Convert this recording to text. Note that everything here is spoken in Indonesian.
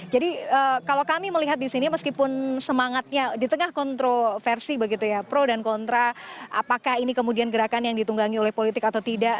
kalau kami melihat di sini meskipun semangatnya di tengah kontroversi begitu ya pro dan kontra apakah ini kemudian gerakan yang ditunggangi oleh politik atau tidak